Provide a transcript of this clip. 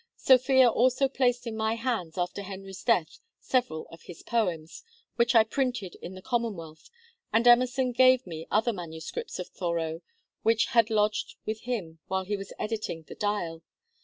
Sophia also placed in my hands after Henry's death several of his poems, which I printed in the "Commonwealth," and Emerson gave me other manuscripts of Thoreau which had lodged with him while he was editing the "Dial."